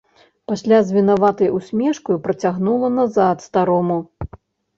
Пасля з вінаватаю ўсмешкаю працягнула назад старому.